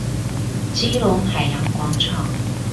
基隆海洋廣場